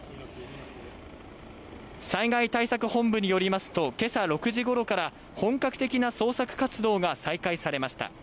災害対策本部によりますと今朝６時頃から本格的な捜索活動が再開されました。